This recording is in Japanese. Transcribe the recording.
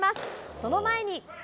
その前に。